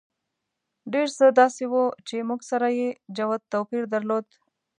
ډېر څه داسې وو چې موږ سره یې جوت توپیر درلود.